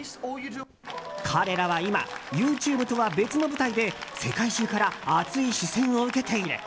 彼らは今ＹｏｕＴｕｂｅとは別の舞台で世界中から熱い視線を受けている。